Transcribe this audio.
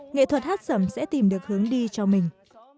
nghệ thuật hát sẩm sẽ tìm được hướng đi cho mình